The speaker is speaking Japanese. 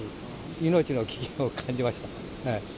命の危険を感じました。